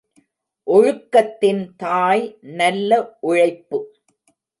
ஒழுக்கத்தின் தாய் நல்ல உழைப்பு.